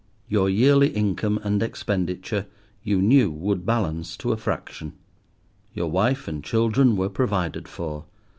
Your yearly income and expenditure you knew would balance to a fraction. Your wife and children were provided for.